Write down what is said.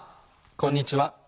こんにちは。